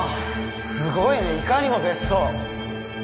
すごいねいかにも別荘